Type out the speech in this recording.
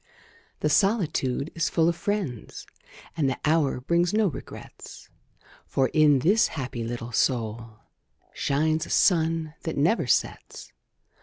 The solitude is full of friends, And the hour brings no regrets; For, in this happy little soul, Shines a sun that never sets.